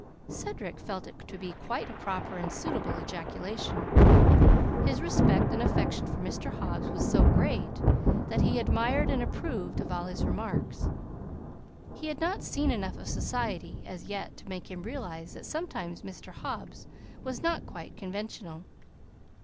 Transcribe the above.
Cedric felt it to be quite a proper and suitable ejaculation. His respect and affection for Mr. Hobbs were so great that he admired and approved of all his remarks. He had not seen enough of society as yet to make him realize that sometimes Mr. Hobbs was not quite conventional.